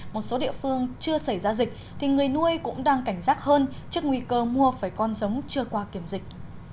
một số địa phương chưa xảy ra dịch thì người nuôi cũng đang cảnh giác hơn trước nguy cơ mua phải con giống chưa qua kiểm dịch